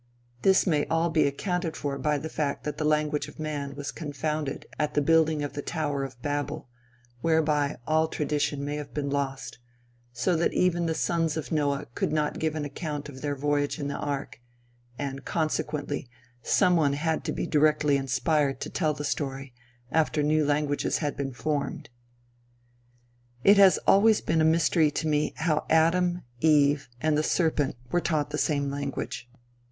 This may all be accounted for by the fact that the language of man was confounded at the building of the tower of Babel, whereby all tradition may have been lost, so that even the sons of Noah could not give an account of their voyage in the ark; and, consequently, some one had to be directly inspired to tell the story, after new languages had been formed. It has always been a mystery to me how Adam, Eve, and the serpent were taught the same language.